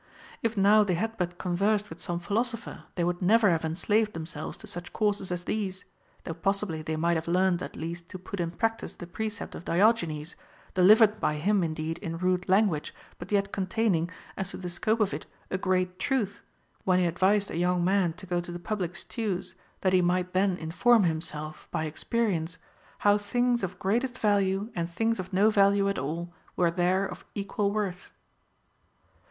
If now they had but conversed with some philosopher, they would never have enslaved themselves to such courses as these ; though possibly they might have learned at least to put in practice the precept of Diogenes, delivered by him indeed in rude language, but yet contain ing, as to the scope of it, a great truth, when he advised a voung man to go to the public stews, that he might then inform himself, by experience, how things of greatest value and things of no value at all were there of equal worth.